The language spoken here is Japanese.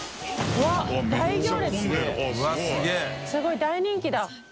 垢欧Аすごい大人気だ。